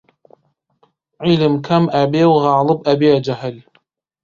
عیلم کەم ئەبێ و غاڵب ئەبێ جەهل